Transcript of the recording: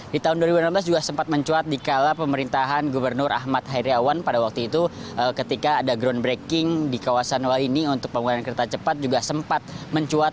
di tahun dua ribu enam belas juga sempat mencuat di kala pemerintahan gubernur ahmad heriawan pada waktu itu ketika ada groundbreaking di kawasan walini untuk pembangunan kereta cepat juga sempat mencuat